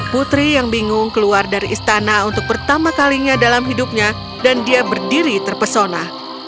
putri yang bingung keluar dari istana untuk pertama kalinya dalam hidupnya dan dia berdiri terpesona